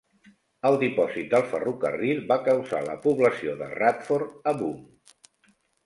El dipòsit del ferrocarril va causar la població de Radford a boom.